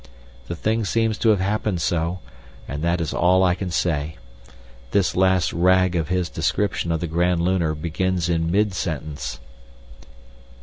The thing seems to have happened so, and that is all I can say. This last rag of his description of the Grand Lunar begins in mid sentence.